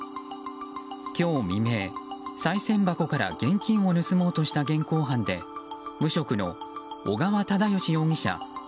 今日未明、さい銭箱から現金を盗もうとした現行犯で無職の小川忠義容疑者